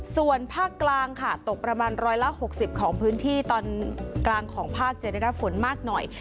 ส่วนภาคกลางค่ะตกประมาณ๑๖๐ของพื้นที่ตอนกลางของภาคจะได้รับฝนมากหน่อย